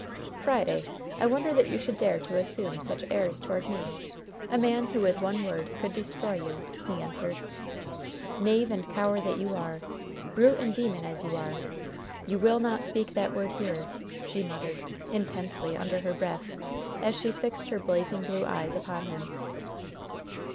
"Friday, I wonder that you should dare to assume such airs toward me a man who with one word could destroy you!" he answered. "Knave and coward that you are! Brute and demon as you are! you will not speak that word here!" she muttered, intensely, under her breath, as she fixed her blazing blue eyes upon him.